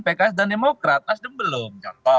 pks dan demokrat nasdem belum